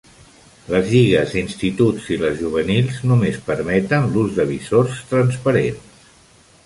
Les lligues d'instituts i les juvenils només permeten l'ús de visors transparents.